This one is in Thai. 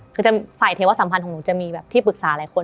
คือฝ่ายเทวสัมพันธ์ของหนูจะมีแบบที่ปรึกษาหลายคน